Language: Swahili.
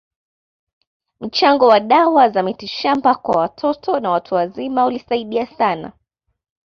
Mchango wa dawa za mitishamba kwa watoto na watu wazima ulisaidia sana